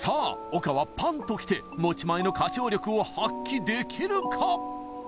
丘はパンッと起きて持ち前の歌唱力を発揮できるか？